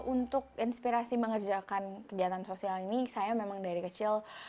untuk inspirasi mengerjakan kegiatan sosial ini saya memang dari kecil